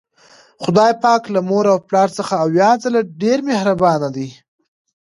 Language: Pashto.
خدای پاک له مور او پلار څخه اویا ځلې ډیر مهربان ده